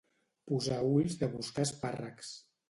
Posar ulls de buscar espàrrecs